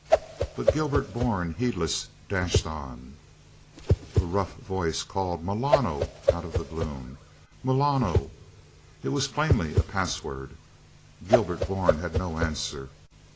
But Gilbert Bourne, heedless, dashed on. A rough voice cried "Milano?" out of the gloom. "Milano?" It was plainly a password. Gilbert Bourne had no answer.